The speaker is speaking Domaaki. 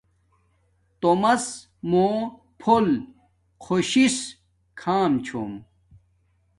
تومس موہ پھول خوشس کھام چھوم